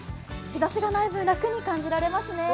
日ざしがない分、楽に感じられますね。